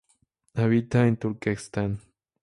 Habita en Turquestán.